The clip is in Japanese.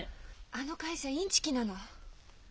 あの会社インチキなの。